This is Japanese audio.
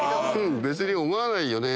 別に思わないよね。